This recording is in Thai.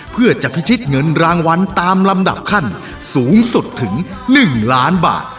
เพื่อจะพิชิตเงินรางวัลตามลำดับขั้นสูงสุดถึง๑ล้านบาท